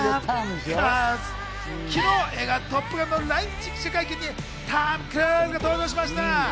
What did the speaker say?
昨日、映画『トップガン』の来日記者会見にトム・クルーズが登場しました。